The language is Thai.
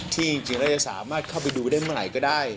จริงแล้วจะสามารถเข้าไปดูได้เมื่อไหร่ก็ได้